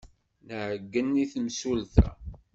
Nɛeyyen i temsulta.